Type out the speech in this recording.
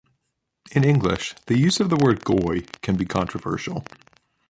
In English, the use of the word "goy" can be controversial.